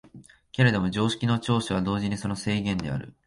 けれども常識の長所は同時にその制限である。